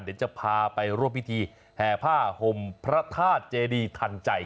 เดี๋ยวจะพาไปร่วมพิธีแห่ผ้าห่มพระธาตุเจดีทันใจ